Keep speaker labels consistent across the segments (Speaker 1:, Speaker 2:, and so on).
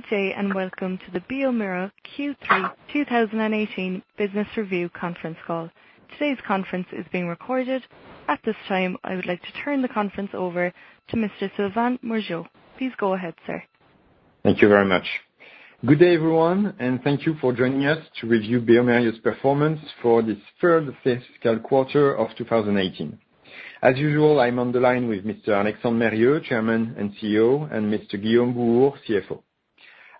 Speaker 1: Good day, welcome to the bioMérieux Q3 2018 business review conference call. Today's conference is being recorded. At this time, I would like to turn the conference over to Mr. Sylvain Morgeau. Please go ahead, sir.
Speaker 2: Thank you very much. Good day, everyone, thank you for joining us to review bioMérieux's performance for this third fiscal quarter of 2018. As usual, I'm on the line with Mr. Alexandre Mérieux, Chairman and CEO, and Mr. Guillaume Bouhours, CFO.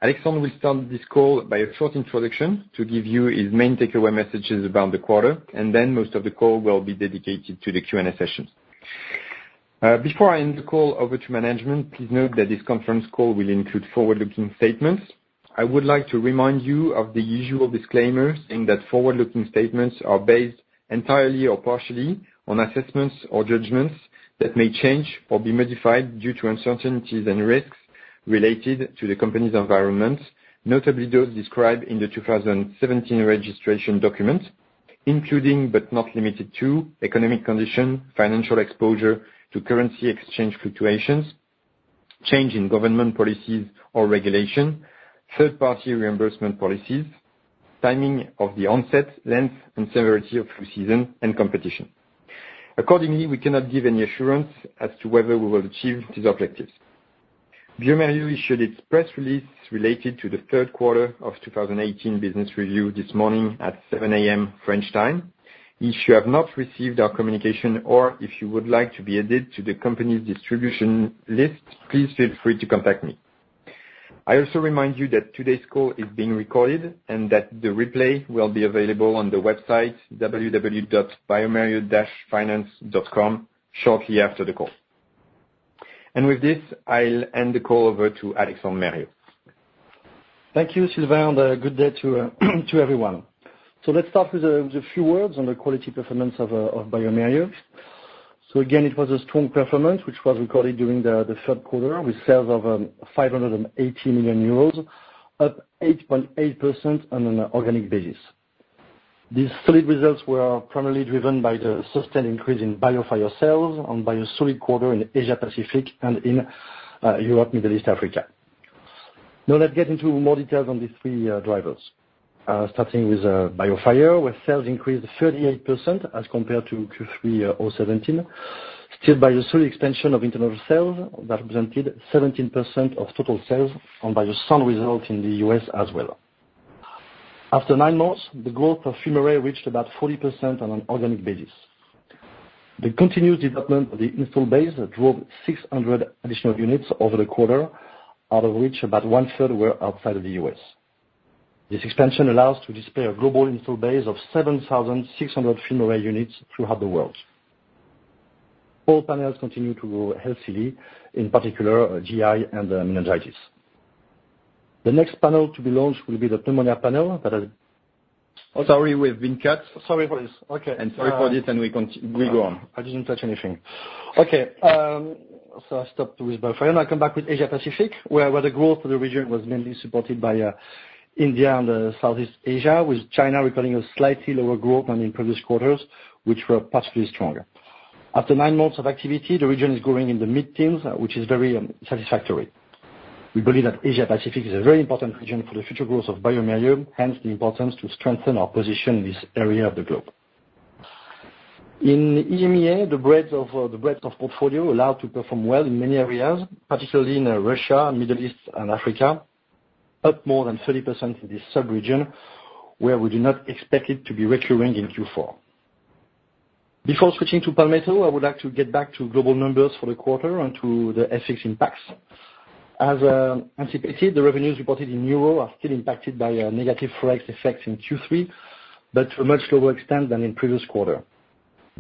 Speaker 2: Alexandre will start this call by a short introduction to give you his main takeaway messages about the quarter, most of the call will be dedicated to the Q&A session. Before I hand the call over to management, please note that this conference call will include forward-looking statements. I would like to remind you of the usual disclaimers in that forward-looking statements are based entirely or partially on assessments or judgments that may change or be modified due to uncertainties and risks related to the company's environment, notably those described in the 2017 registration document, including but not limited to economic condition, financial exposure to currency exchange fluctuations, change in government policies or regulation, third-party reimbursement policies, timing of the onset, length, and severity of flu season and competition. Accordingly, we cannot give any assurance as to whether we will achieve these objectives. bioMérieux issued its press release related to the third quarter of 2018 business review this morning at 7:00 A.M. French time. If you have not received our communication or if you would like to be added to the company's distribution list, please feel free to contact me. I also remind you that today's call is being recorded that the replay will be available on the website www.biomerieux.com shortly after the call. With this, I'll hand the call over to Alexandre Mérieux.
Speaker 3: Thank you, Sylvain. Good day to everyone. Let's start with a few words on the quality performance of bioMérieux. Again, it was a strong performance, which was recorded during the third quarter with sales of 580 million euros, up 8.8% on an organic basis. These solid results were primarily driven by the sustained increase in BIOFIRE sales and a solid quarter in Asia Pacific and in Europe, Middle East, Africa. Let's get into more details on these three drivers. Starting with BIOFIRE, where sales increased 38% as compared to Q3 2017. Still by the solid extension of internal sales that represented 17% of total sales and by the same result in the U.S. as well. After nine months, the growth of FilmArray reached about 40% on an organic basis. The continuous development of the installed base drove 600 additional units over the quarter, out of which about one-third were outside of the U.S. This expansion allows to display a global install base of 7,600 FilmArray units throughout the world. All panels continue to grow healthily, in particular, GI and Meningitis. The next panel to be launched will be the Pneumonia Panel that has
Speaker 2: Sorry, we've been cut.
Speaker 3: Sorry for this. Okay.
Speaker 2: Sorry for this, we go on.
Speaker 3: I didn't touch anything. Okay, I stopped with BIOFIRE. I come back with Asia Pacific, where the growth of the region was mainly supported by India and Southeast Asia, with China recording a slightly lower growth than in previous quarters, which were partially stronger. After nine months of activity, the region is growing in the mid-teens, which is very satisfactory. We believe that Asia Pacific is a very important region for the future growth of bioMérieux, hence the importance to strengthen our position in this area of the globe. In EMEA, the breadth of portfolio allowed to perform well in many areas, particularly in Russia, Middle East, and Africa, up more than 30% in this sub-region, where we do not expect it to be recurring in Q4. Before switching to Palmetto, I would like to get back to global numbers for the quarter and to the FX impacts. As anticipated, the revenues reported in EUR are still impacted by a negative FX effect in Q3, but to a much lower extent than in the previous quarter.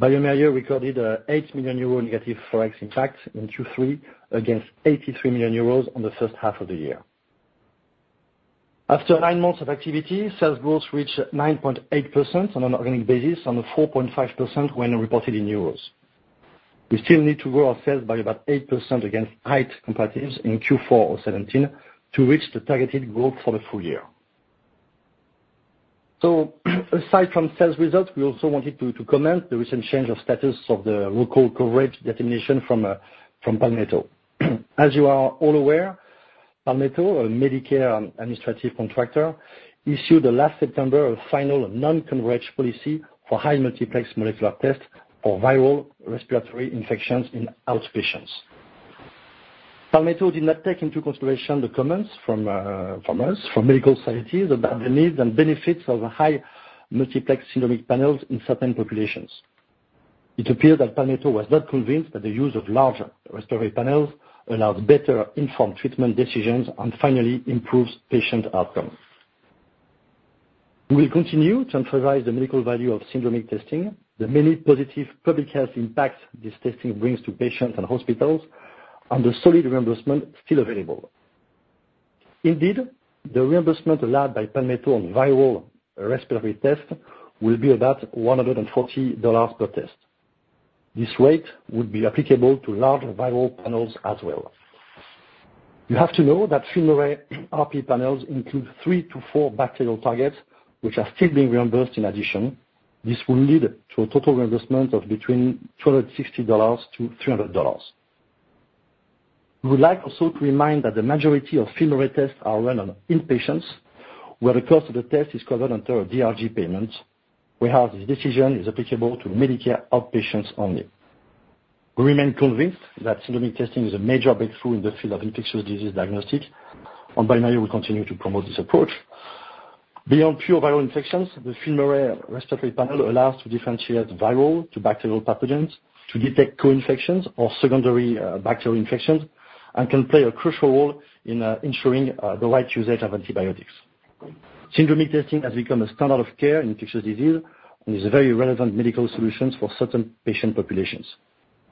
Speaker 3: bioMérieux recorded an 8 million euro negative FX impact in Q3 against 83 million euros on the first half of the year. After nine months of activity, sales growth reached 9.8% on an organic basis and 4.5% when reported in EUR. We still need to grow our sales by about 8% against height comparatives in Q4 of 2017 to reach the targeted growth for the full year. Aside from sales results, we also wanted to comment on the recent change of status of the Local Coverage Determination from Palmetto. As you are all aware, Palmetto, a Medicare administrative contractor, issued last September a final non-coverage policy for high multiplex molecular tests for viral respiratory infections in outpatients. Palmetto did not take into consideration the comments from us, from medical societies about the needs and benefits of high multiplex syndromic panels in certain populations. It appeared that Palmetto was not convinced that the use of larger respiratory panels allows better-informed treatment decisions and finally improves patient outcomes. We will continue to emphasize the medical value of syndromic testing, the many positive public health impacts this testing brings to patients and hospitals, and the solid reimbursement still available. Indeed, the reimbursement allowed by Palmetto on viral respiratory test will be about $140 per test. This rate would be applicable to larger viral panels as well. You have to know that FilmArray RP panels include 3 to 4 bacterial targets, which are still being reimbursed in addition. This will lead to a total reimbursement of between $260-$300. We would like also to remind that the majority of FilmArray tests are run on inpatients, where the cost of the test is covered under a DRG payment. We have this decision is applicable to Medicare outpatients only. We remain convinced that syndromic testing is a major breakthrough in the field of infectious disease diagnosis. On bioMérieux, we continue to promote this approach. Beyond pure viral infections, the FilmArray respiratory panel allows to differentiate viral to bacterial pathogens, to detect co-infections or secondary bacterial infections, and can play a crucial role in ensuring the right usage of antibiotics. Syndromic testing has become a standard of care in infectious disease and is a very relevant medical solution for certain patient populations.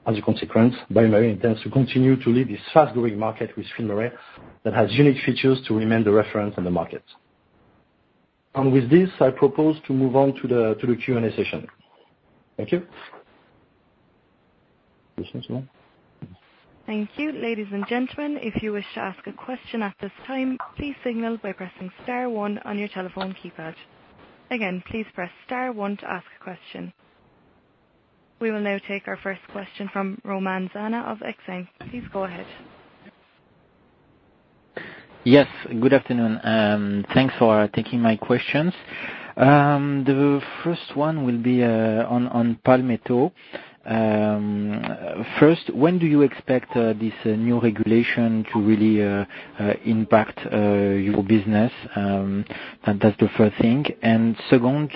Speaker 3: As a consequence, bioMérieux intends to continue to lead this fast-growing market with FilmArray that has unique features to remain the reference in the market. With this, I propose to move on to the Q&A session. Thank you.
Speaker 1: Thank you. Ladies and gentlemen, if you wish to ask a question at this time, please signal by pressing star one on your telephone keypad. Again, please press star one to ask a question. We will now take our first question from Romain Zana of Exane. Please go ahead.
Speaker 4: Yes, good afternoon. Thanks for taking my questions. The first one will be on Palmetto. First, when do you expect this new regulation to really impact your business? That's the first thing. Second,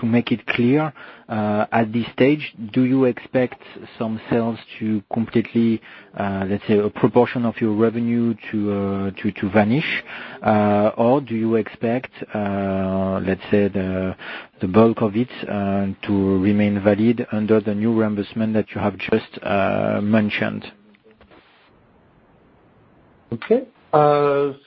Speaker 4: to make it clear at this stage, do you expect some sales to completely, let's say, a proportion of your revenue to vanish? Or do you expect, let's say, the bulk of it to remain valid under the new reimbursement that you have just mentioned?
Speaker 3: Okay.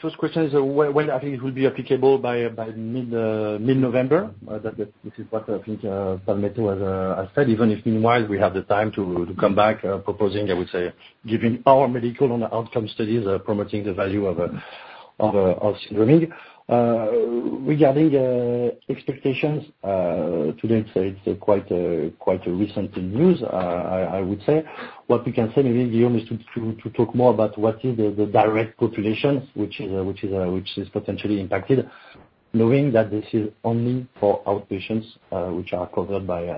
Speaker 3: First question is when it will be applicable by mid-November. This is what I think Palmetto has said, even if meanwhile we have the time to come back proposing, I would say, giving our medical and outcome studies promoting the value of syndromic. Regarding expectations, today, it's quite recent news, I would say. What we can say, maybe, Guillaume, is to talk more about what is the direct population, which is potentially impacted, knowing that this is only for outpatients which are covered by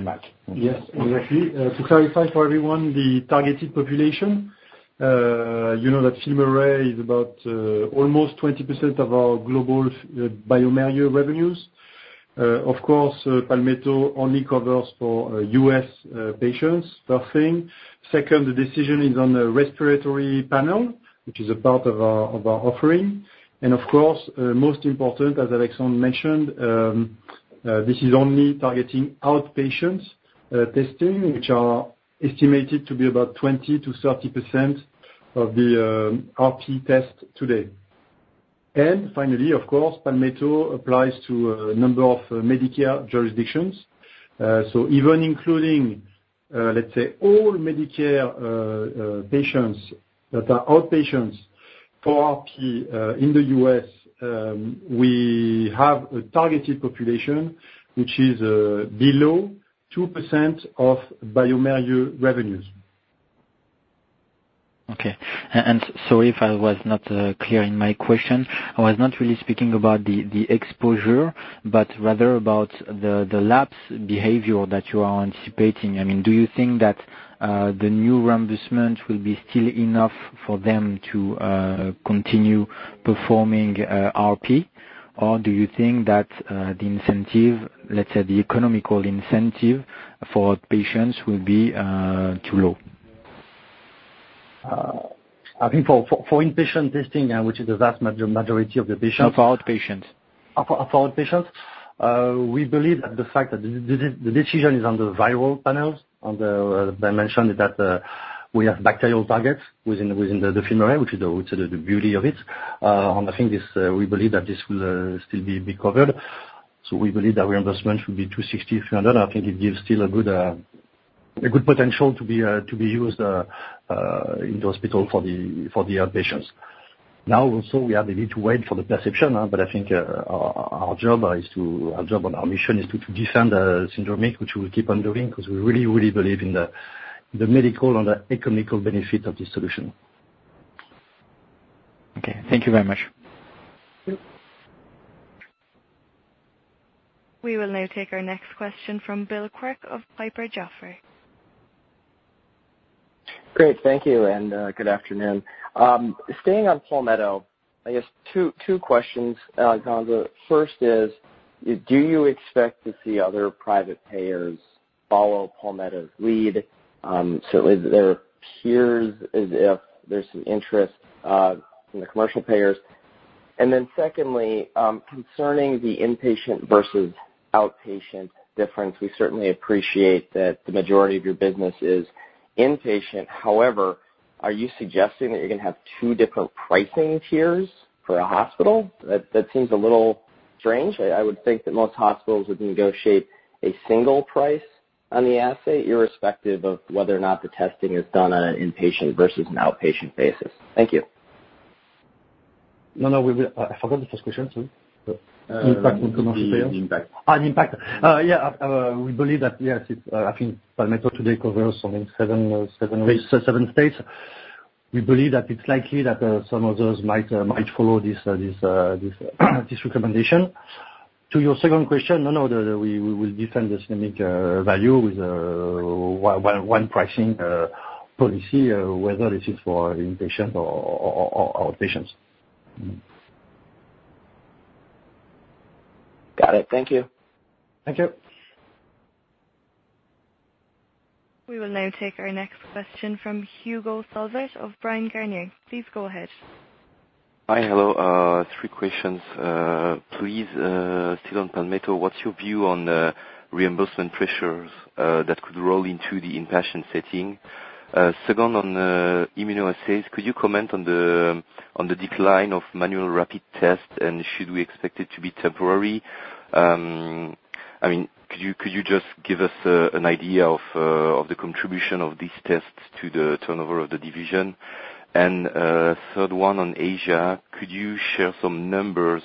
Speaker 3: MAC.
Speaker 5: Yes. Exactly. To clarify for everyone, the targeted population, you know that FilmArray is about almost 20% of our global bioMérieux revenues. Of course, Palmetto only covers for U.S. patients, first thing. Second, the decision is on the FilmArray RP, which is a part of our offering. Of course, most important, as Alexandre mentioned, this is only targeting outpatients testing, which are estimated to be about 20%-30% of the RP test today. Finally, of course, Palmetto applies to a number of Medicare jurisdictions. So even including, let's say, all Medicare patients that are outpatients for RP in the U.S., we have a targeted population which is below 2% of bioMérieux revenues.
Speaker 4: Okay. Sorry if I was not clear in my question. I was not really speaking about the exposure, but rather about the lapse behavior that you are anticipating. Do you think that the new reimbursement will be still enough for them to continue performing RP? Or do you think that the incentive, let's say the economical incentive for patients will be too low?
Speaker 3: I think for inpatient testing, which is the vast majority of the patients.
Speaker 4: For outpatients.
Speaker 3: For outpatients. We believe that the fact that the decision is on the viral panels, I mentioned that we have bacterial targets within the FilmArray, which is the beauty of it. I think we believe that this will still be covered. We believe that reimbursement should be $260, $300. I think it gives still a good potential to be used in the hospital for the outpatients. Also, we have the need to wait for the perception, but I think our job and our mission is to defend syndromic, which we'll keep on doing because we really believe in the medical and the economical benefit of this solution.
Speaker 4: Okay. Thank you very much.
Speaker 1: We will now take our next question from Bill Quirk of Piper Jaffray.
Speaker 6: Great. Thank you, good afternoon. Staying on Palmetto, I guess two questions, Alexandre. First is, do you expect to see other private payers follow Palmetto's lead? Certainly, there appears as if there's some interest from the commercial payers. Secondly, concerning the inpatient versus outpatient difference, we certainly appreciate that the majority of your business is inpatient. However, are you suggesting that you're going to have two different pricing tiers for a hospital? That seems a little strange. I would think that most hospitals would negotiate a single price on the assay, irrespective of whether or not the testing is done on an inpatient versus an outpatient basis. Thank you.
Speaker 3: No, I forgot the first question. Sorry.
Speaker 5: Impact from commercial payers.
Speaker 3: The impact. We believe that, yes. I think Palmetto today covers seven states. We believe that it's likely that some of those might follow this recommendation. To your second question, no, we will defend the syndromic value with one pricing policy, whether it is for inpatients or outpatients.
Speaker 6: Got it. Thank you.
Speaker 3: Thank you.
Speaker 1: We will now take our next question from Hugo Solvet of Bryan Garnier. Please go ahead.
Speaker 7: Hi. Hello. Three questions. Please, still on Palmetto, what's your view on the reimbursement pressures that could roll into the inpatient setting? Second, on the immunoassays, could you comment on the decline of manual rapid tests, and should we expect it to be temporary? Could you just give us an idea of the contribution of these tests to the turnover of the division? Third one on Asia. Could you share some numbers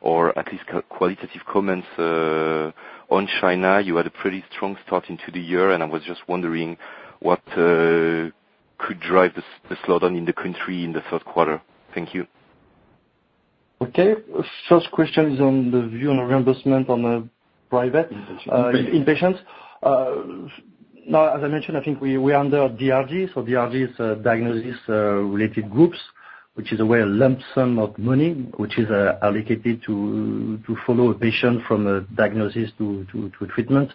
Speaker 7: or at least qualitative comments on China? You had a pretty strong start into the year, and I was just wondering what could drive the slowdown in the country in the third quarter. Thank you.
Speaker 3: Okay. First question is on the view on the reimbursement on the private-
Speaker 5: Inpatients
Speaker 3: inpatients. As I mentioned, I think we are under DRGs. DRGs, Diagnosis-Related Groups, which is a way a lump sum of money, which is allocated to follow a patient from a diagnosis to treatment.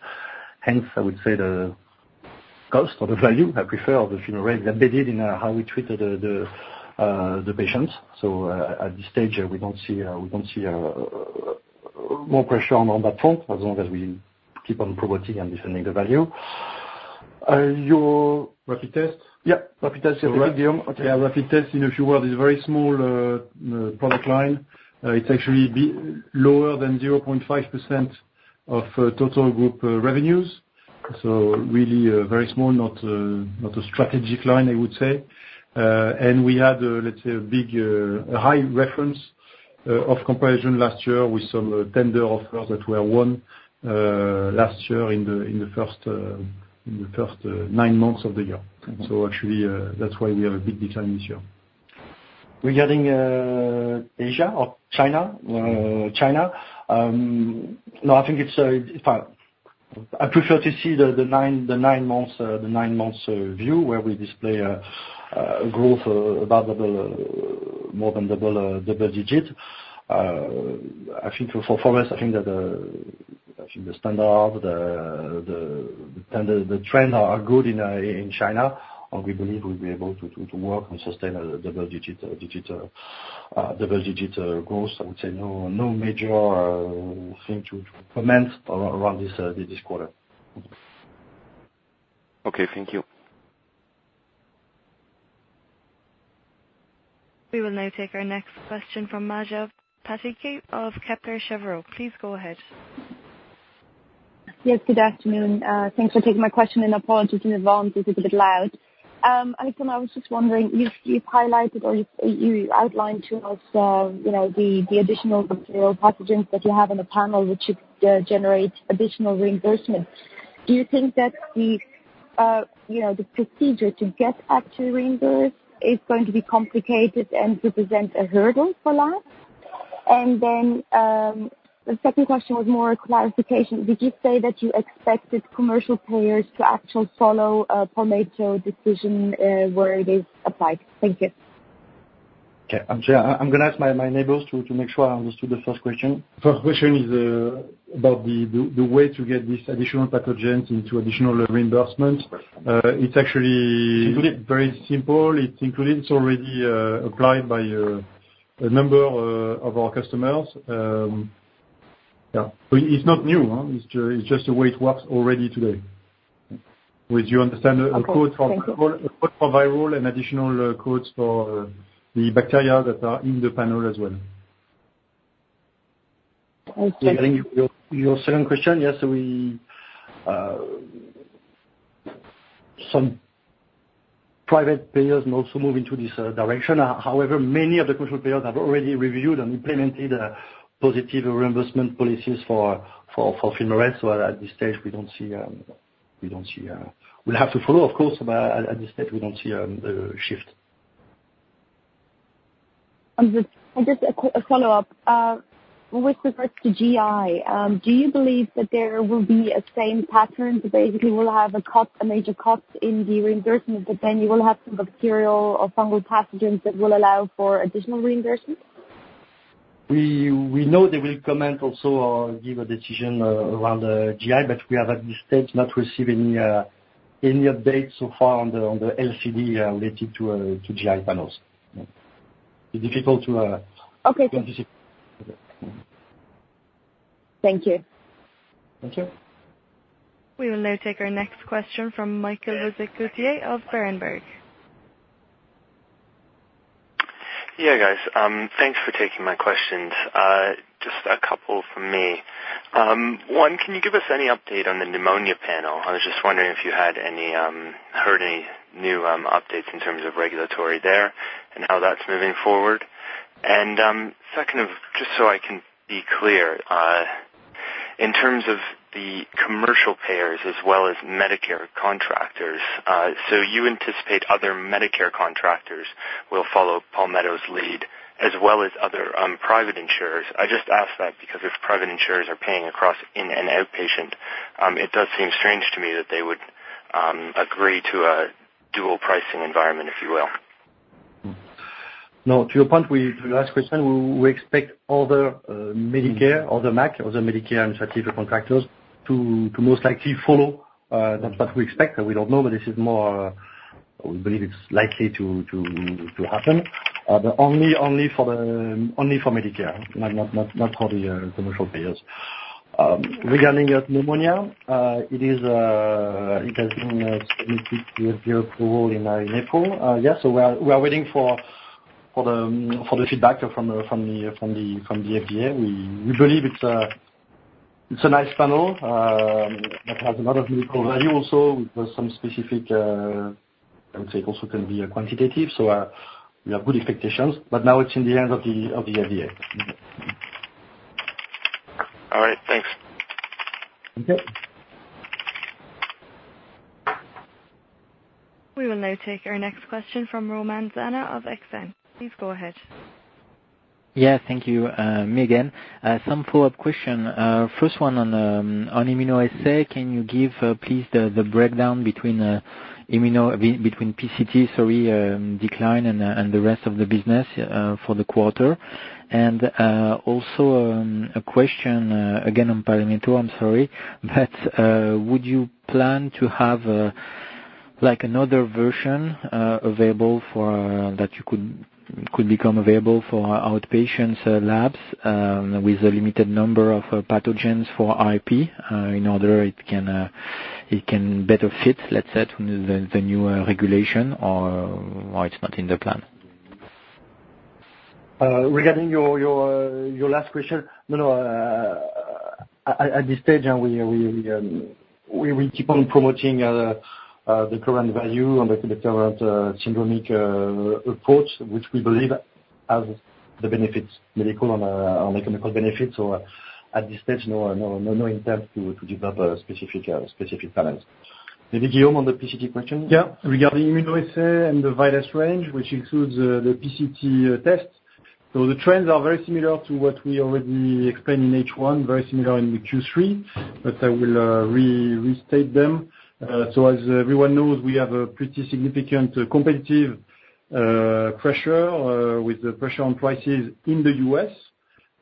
Speaker 3: Hence, I would say the cost or the value, I prefer the general rate embedded in how we treat the patients. At this stage, we don't see more pressure on that front, as long as we keep on promoting and defending the value. Your-
Speaker 5: Rapid test?
Speaker 3: Yeah. Rapid test. Is that right, Guillaume? Okay.
Speaker 5: Yeah, rapid test, if you will, is a very small product line. It's actually lower than 0.5% of total group revenues. Really very small, not a strategic line, I would say. We had a high reference of comparison last year. We saw tender offers that were won last year in the first nine months of the year. Actually, that's why we have a big decline this year.
Speaker 3: Regarding Asia or China. I prefer to see the nine months view, where we display a growth of about more than double-digit. For us, I think the standard, the trend are good in China, we believe we'll be able to work and sustain a double-digit growth. I would say no major thing to comment around this quarter.
Speaker 7: Okay. Thank you.
Speaker 1: We will now take our next question from Maja Pataki of Kepler Cheuvreux. Please go ahead.
Speaker 8: Yes, good afternoon. Thanks for taking my question, and apologies in advance if it's a bit loud. Alexandre, I was just wondering, you've highlighted or you outlined to us the additional bacterial pathogens that you have on the panel, which should generate additional reimbursement. Do you think that the procedure to get actually reimbursed is going to be complicated and represent a hurdle for labs? Then, the second question was more clarification. Did you say that you expected commercial payers to actually follow a Palmetto decision where it is applied? Thank you.
Speaker 3: Okay. I'm going to ask my neighbors to make sure I understood the first question.
Speaker 5: First question is about the way to get this additional pathogen into additional reimbursement. It's actually very simple. It's included. It's already applied by a number of our customers.
Speaker 3: Yeah.
Speaker 5: It's not new. It's just the way it works already today. Would you understand a code for viral and additional codes for the bacteria that are in the panel as well?
Speaker 8: Okay.
Speaker 3: Your second question. Some private payers may also move into this direction. However, many of the commercial payers have already reviewed and implemented positive reimbursement policies for FilmArray. At this stage, we'll have to follow, of course, but at this stage, we don't see a shift.
Speaker 8: Just a follow-up. With regards to GI, do you believe that there will be a same pattern? Basically, will have a major cut in the reimbursement, you will have some bacterial or fungal pathogens that will allow for additional reimbursement?
Speaker 3: We know they will comment also or give a decision around the GI, we have, at this stage, not received any updates so far on the LCD related to GI panels. It's difficult to-
Speaker 8: Okay
Speaker 3: anticipate.
Speaker 8: Thank you.
Speaker 3: Thank you.
Speaker 1: We will now take our next question from Michael Levecquier of Berenberg.
Speaker 9: Yeah, guys. Thanks for taking my questions. Just a couple from me. One, can you give us any update on the Pneumonia Panel? I was just wondering if you heard any new updates in terms of regulatory there and how that's moving forward. Second, just so I can be clear, in terms of the commercial payers as well as Medicare contractors, you anticipate other Medicare contractors will follow Palmetto's lead as well as other private insurers. I just ask that because if private insurers are paying across in and outpatient, it does seem strange to me that they would agree to a dual pricing environment, if you will.
Speaker 5: No, to your last question, we expect other Medicare, other MAC, other Medicare administrative contractors to most likely follow. That's what we expect. We don't know, but we believe it's likely to happen. Only for Medicare, not for the commercial payers. Regarding pneumonia, it has been submitted to the approval in April. We are waiting for the feedback from the FDA. We believe it's a nice panel that has a lot of medical value also, with some specific, I would say, also can be quantitative. We have good expectations. Now it's in the hands of the FDA.
Speaker 9: All right. Thanks.
Speaker 5: Okay.
Speaker 1: We will now take our next question from Romain Zana of Exane. Please go ahead.
Speaker 4: Yeah, thank you. Me again. Some follow-up question. First one on immunoassay. Can you give, please, the breakdown between PCT decline and the rest of the business for the quarter? Also a question again on Palmetto, I'm sorry, but would you plan to have another version that could become available for outpatient labs with a limited number of pathogens for RP in order it can better fit, let's say, the newer regulation, or it's not in the plan?
Speaker 5: Regarding your last question, no. At this stage, we keep on promoting the current value and the current syndromic approach, which we believe has the benefits, medical and economical benefits. At this stage, no intent to develop a specific panel. Maybe Guillaume on the PCT question. Yeah. Regarding immunoassay and the VIDAS range, which includes the PCT test. The trends are very similar to what we already explained in H1, very similar in Q3, but I will restate them. As everyone knows, we have a pretty significant competitive pressure with the pressure on prices in the U.S.,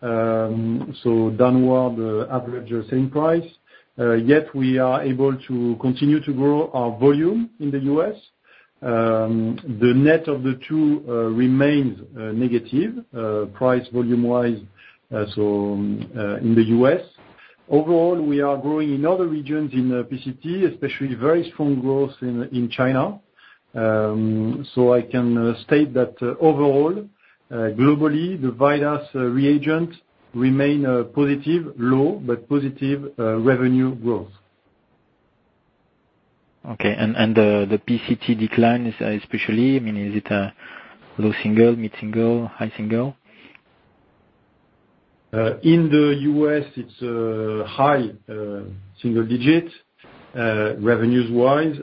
Speaker 5: so downward average selling price. Yet we are able to continue to grow our volume in the U.S. The net of the two remains negative price volume-wise in the U.S. Overall, we are growing in other regions in PCT, especially very strong growth in China. I can state that overall, globally, the VIDAS reagents remain positive, low, but positive revenue growth.
Speaker 4: Okay. The PCT decline especially, is it a low single, mid single, high single?
Speaker 5: In the U.S., it's high single digit revenues-wise.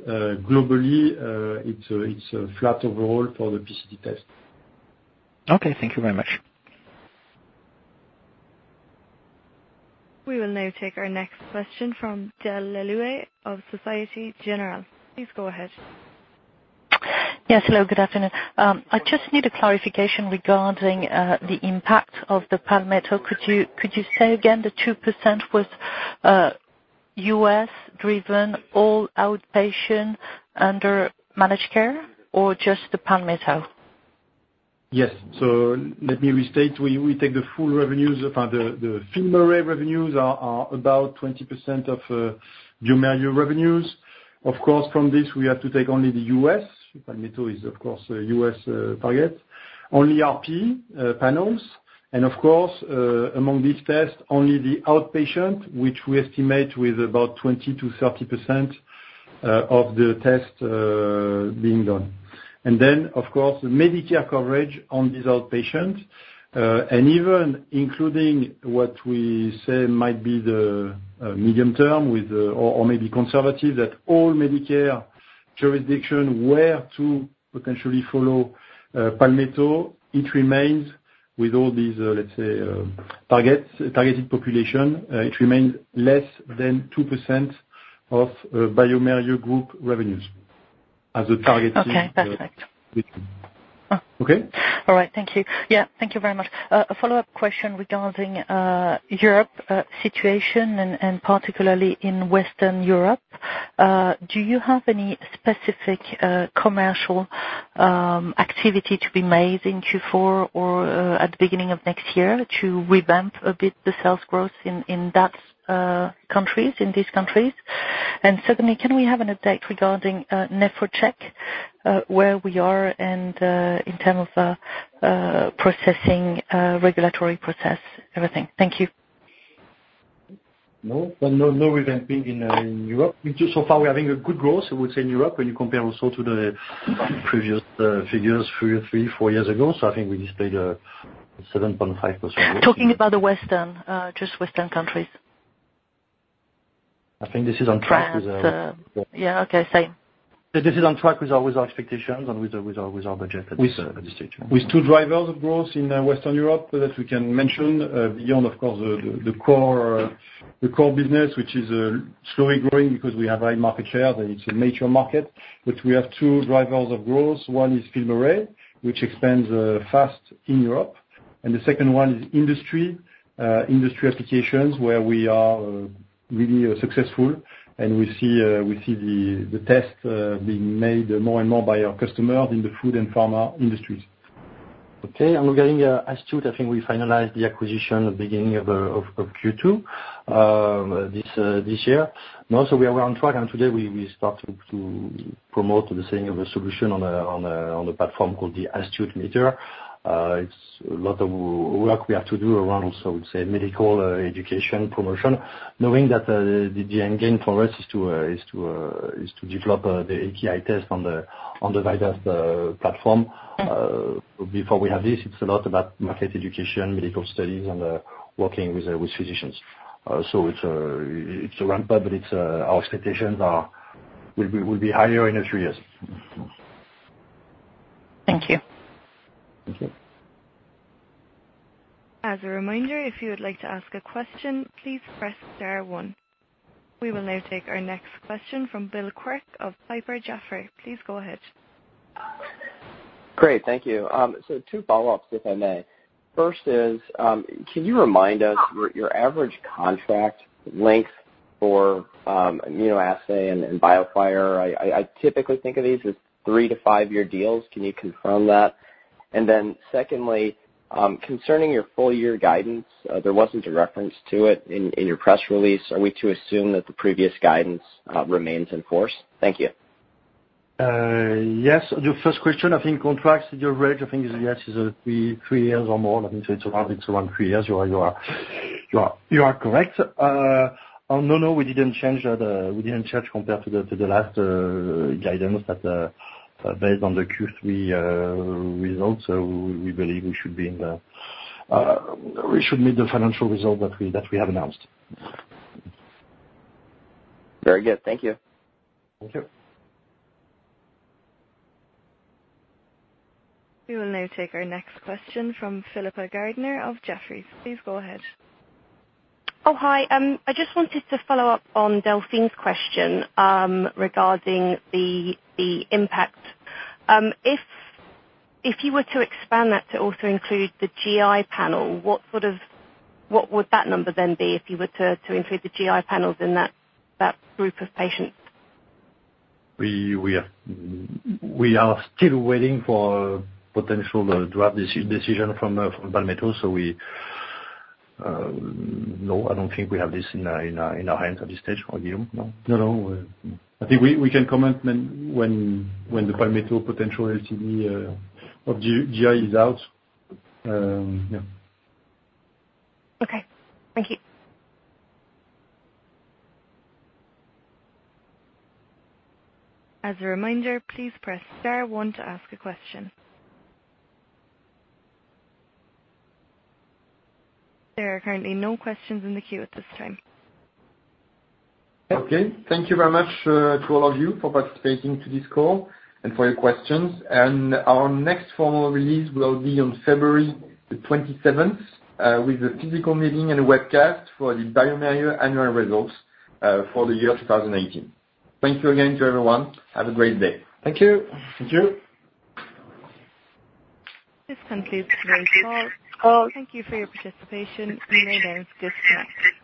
Speaker 5: Globally, it's flat overall for the PCT test.
Speaker 4: Okay. Thank you very much.
Speaker 1: We will now take our next question from Delphine Le Louet of Société Générale. Please go ahead.
Speaker 10: Yes. Hello, good afternoon. I just need a clarification regarding the impact of the Palmetto. Could you say again the 2% was U.S.-driven, all outpatient under managed care, or just the Palmetto?
Speaker 5: Let me restate. We take the full revenues. The FilmArray revenues are about 20% of bioMérieux revenues. Of course, from this, we have to take only the U.S. Palmetto is, of course, a U.S. target. Only RP panels. Of course, among these tests, only the outpatient, which we estimate with about 20%-30% of the test being done. Then, of course, the Medicare coverage on these outpatients. Even including what we say might be the medium term or maybe conservative, that all Medicare jurisdiction, were to potentially follow Palmetto, it remains with all these, let's say, targeted population, it remains less than 2% of bioMérieux Group revenues as a target.
Speaker 10: Okay. Perfect.
Speaker 5: Okay?
Speaker 10: All right. Thank you. Yeah. Thank you very much. A follow-up question regarding Europe situation and particularly in Western Europe. Do you have any specific commercial activity to be made in Q4 or at the beginning of next year to revamp a bit the sales growth in these countries? Secondly, can we have an update regarding NephroCheck, where we are in terms of regulatory process, everything? Thank you.
Speaker 5: No event being in Europe. So far, we're having a good growth, I would say, in Europe, when you compare also to the previous figures three or four years ago. I think we displayed a 7.5% growth.
Speaker 10: Talking about just Western countries.
Speaker 5: I think this is on track with our-
Speaker 10: Yeah. Okay, same.
Speaker 3: This is on track with our expectations and with our budget at this stage.
Speaker 5: With two drivers of growth in Western Europe that we can mention, beyond of course, the core business, which is slowly growing because we have high market share. It's a mature market. We have two drivers of growth. One is FilmArray, which expands fast in Europe, the second one is industry applications, where we are really successful and we see the test being made more and more by our customers in the food and pharma industries.
Speaker 3: Okay. Regarding Astute, I think we finalized the acquisition at beginning of Q2 this year. Also we are on track, today we start to promote the selling of a solution on a platform called the Astute140 Meter. It's a lot of work we have to do around also, say, medical education promotion, knowing that the end game for us is to develop the AKI test on the VIDAS platform. Before we have this, it's a lot about market education, medical studies and working with physicians. It's a ramp up, but our expectations will be higher in the three years.
Speaker 10: Thank you.
Speaker 3: Thank you.
Speaker 1: As a reminder, if you would like to ask a question, please press star one. We will now take our next question from Bill Quirk of Piper Jaffray. Please go ahead.
Speaker 6: Great. Thank you. Two follow-ups, if I may. First is, can you remind us your average contract length for immunoassay and BIOFIRE? I typically think of these as three- to five-year deals. Secondly, concerning your full year guidance, there wasn't a reference to it in your press release. Are we to assume that the previous guidance remains in force? Thank you.
Speaker 3: Yes. The first question, I think contracts, your rate, I think is, yes, is three years or more. I think it's around three years. You are correct. No, we didn't change compared to the last guidance that based on the Q3 results. We believe we should meet the financial result that we have announced.
Speaker 6: Very good. Thank you.
Speaker 3: Thank you.
Speaker 1: We will now take our next question from Philippa Gardener of Jefferies. Please go ahead.
Speaker 11: Oh, hi. I just wanted to follow up on Delphine's question regarding the impact. If you were to expand that to also include the GI Panel, what would that number then be if you were to include the GI Panels in that group of patients?
Speaker 3: We are still waiting for potential draft decision from Palmetto. No, I don't think we have this in our hands at this stage, Guillaume. No?
Speaker 5: No. I think we can comment when the Palmetto potential LCD of GI is out. Yeah.
Speaker 11: Okay. Thank you.
Speaker 1: As a reminder, please press star one to ask a question. There are currently no questions in the queue at this time.
Speaker 3: Okay. Thank you very much to all of you for participating to this call and for your questions. Our next formal release will be on February the 27th, with a physical meeting and a webcast for the bioMérieux annual results for the year 2018. Thank you again to everyone. Have a great day.
Speaker 5: Thank you.
Speaker 3: Thank you.
Speaker 1: This concludes today's call. Thank you for your participation. You may now disconnect.